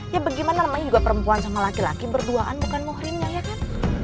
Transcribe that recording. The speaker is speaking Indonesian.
ya bagaimana emang ini juga perempuan sama laki laki berduaan bukan ngurimnya ya kan